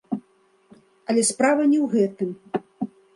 Але справа не ў гэтым.